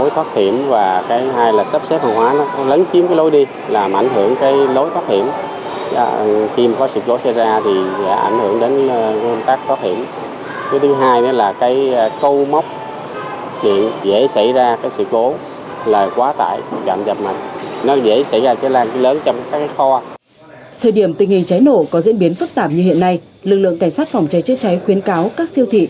thời điểm tình hình cháy nổ có diễn biến phức tạp như hiện nay lực lượng cảnh sát phòng cháy chữa cháy khuyến cáo các siêu thị